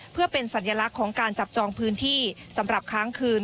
เพื่อเป็นสัญลักษณ์ของการจับจองพื้นที่สำหรับค้างคืน